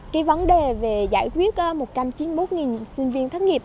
cái vấn đề về giải quyết một trăm chín mươi một sinh viên thất nghiệp